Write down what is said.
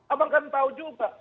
abang kan tau juga